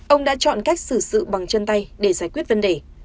ông đã chọn cách xử sự bằng chân tay để giải quyết vấn đề